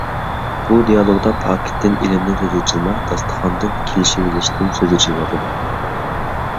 بۇ دېئالوگدا پاكىتتىن، ئىلىمدىن سۆز ئېچىلماي داستىخاندىن، كېلىشۋېلىشتىن سۆز ئىچىلىۋاتىدۇ.